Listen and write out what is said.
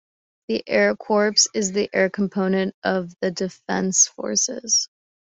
The Air Corps is the air component of the Defence Forces.